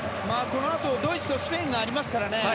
このあとドイツとスペインがありますからね。